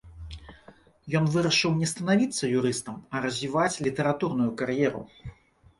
Ён вырашыў не станавіцца юрыстам, а развіваць літаратурную кар'еру.